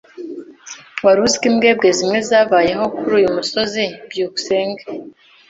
Wari uzi ko imbwebwe zimwe zabayeho kuri uyu musozi? byukusenge